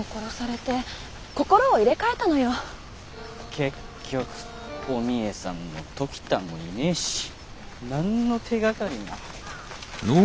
結局お三枝さんも時田もいねえし何の手がかりも。